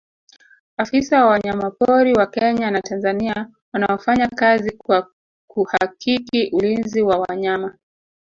afisa wa wanyamapori wa kenya na tanzania wanaofanya kazi kwa kuhakiki ulinzi wa wanyama